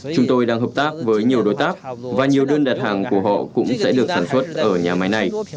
chúng tôi đang hợp tác với nhiều đối tác và nhiều đơn đặt hàng của họ cũng sẽ được sản xuất ở nhà máy này